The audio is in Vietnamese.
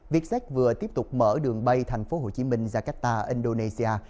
vietjet vừa tiếp tục mở đường bay thành phố hồ chí minh jakarta indonesia